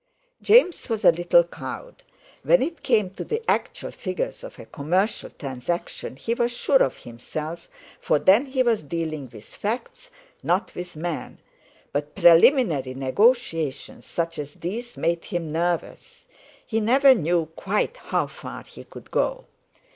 James was a little cowed; when it came to the actual figures of a commercial transaction he was sure of himself, for then he was dealing with facts, not with men; but preliminary negotiations such as these made him nervous—he never knew quite how far he could go.